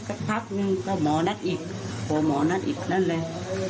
สักพับนึงเขาหมอนัฐอิทโทรหมอนัฐอิทนั่นแหละ